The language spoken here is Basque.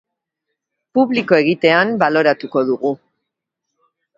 Publiko egitean baloratuko dugu.